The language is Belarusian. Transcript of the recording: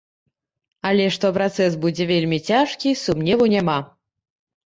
Але што працэс будзе вельмі цяжкі, сумневу няма.